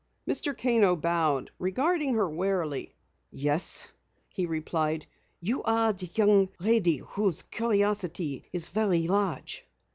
Mr. Kano bowed, regarding her warily. "Yes," he replied. "You are the young lady whose curiosity is very large."